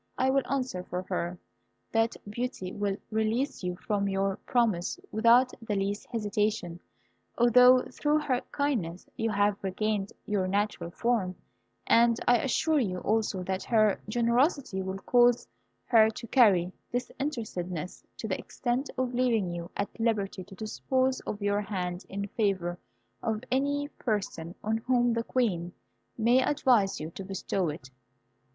I will answer for her, that Beauty will release you from your promise without the least hesitation, although, through her kindness, you have regained your natural form; and I assure you also that her generosity will cause her to carry disinterestedness to the extent of leaving you at liberty to dispose of your hand in favour of any person on whom the Queen may advise you to bestow it.